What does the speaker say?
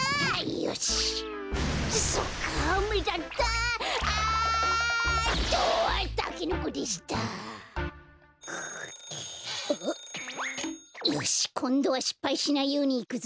よしこんどはしっぱいしないようにいくぞ！